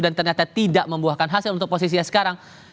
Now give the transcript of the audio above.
dan ternyata tidak membuahkan hasil untuk posisinya sekarang